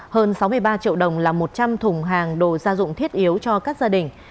hơn sáu mươi ba triệu đồng là một trăm linh thùng hàng đồ gia dụng thiết yếu cho các gia đình